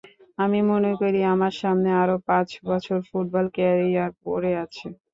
আমি মনে করি, আমার সামনে আরও পাঁচ বছর ফুটবল ক্যারিয়ার পড়ে আছে।